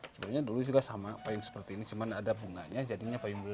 sebenarnya dulu juga sama payung seperti ini cuma ada bunganya jadinya payung belu